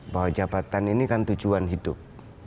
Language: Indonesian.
bahwa jabatan ini kan tujuan hidup